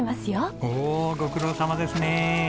おおご苦労さまですね。